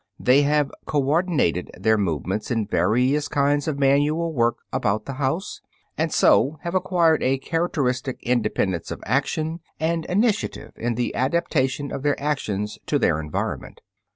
They have coordinated their movements in various kinds of manual work about the house, and so have acquired a characteristic independence of action, and initiative in the adaptation of their actions to their environment.